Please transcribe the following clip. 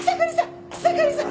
草刈さん！